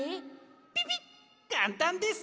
ピピッかんたんです。